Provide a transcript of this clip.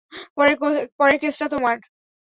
পরের কেসটা তোমার।